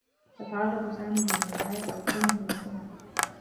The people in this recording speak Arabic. يتعرّض سامي للمضايقة لكونه مسلما.